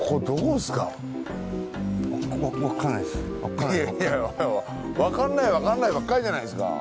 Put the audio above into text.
いやいやわかんないわかんないばっかりじゃないですか。